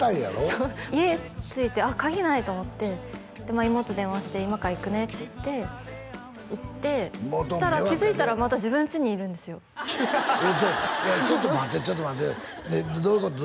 そう家着いて鍵ないと思ってまあ妹電話して今から行くねって言って行ってそしたら気づいたらまた自分ちにいるんですよいやちょいやちょっと待ってちょっと待ってどういうこと？